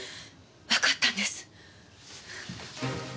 わかったんです。